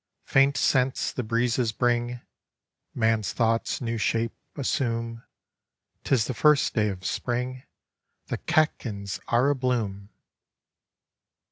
Paint scents the breezes bring; Kan's thoughts new shape assume. *Tis the first day of Spring, The catkins are a blooa!